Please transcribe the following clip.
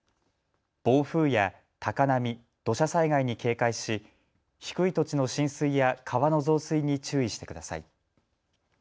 暴風や高波、土砂災害に警戒し低い土地の浸水や川の増水に注意してください。